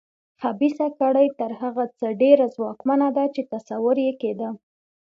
خبیثه کړۍ تر هغه څه ډېره ځواکمنه ده چې تصور یې کېده.